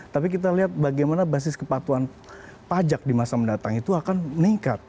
tapi kita lihat bagaimana basis kepatuhan pajak di masa mendatang itu akan meningkat